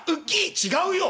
「違うよ！